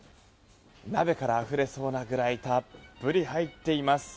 鍋からあふれそうなくらいたっぷり入っています。